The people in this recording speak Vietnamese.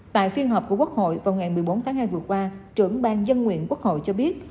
tại phiên họp của quốc hội vào ngày một mươi bốn tháng hai vừa qua trưởng ban dân nguyện quốc hội cho biết